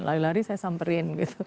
lari lari saya samperin gitu